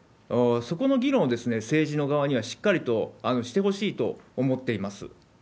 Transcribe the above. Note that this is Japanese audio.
そこの議論を政治の側にはしっかりとしてほしいと思っています。